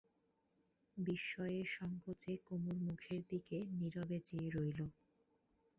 বিস্ময়ে সংকোচে কুমুর মুখের দিকে নীরবে চেয়ে রইল।